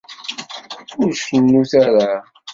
Ur cennut ara.